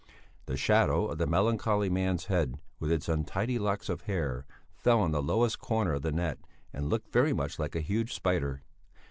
The shadow of the melancholy man's head, with its untidy locks of hair, fell on the lowest corner of the net and looked very much like a huge spider.